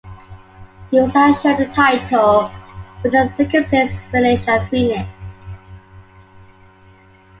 He was assured the title with a second-place finish at Phoenix.